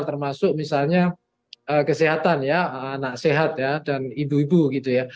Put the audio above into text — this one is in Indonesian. termasuk misalnya kesehatan ya anak sehat ya dan ibu ibu gitu ya